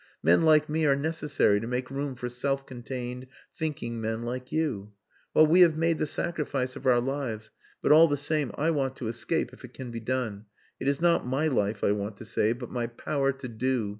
Men like me are necessary to make room for self contained, thinking men like you. Well, we have made the sacrifice of our lives, but all the same I want to escape if it can be done. It is not my life I want to save, but my power to do.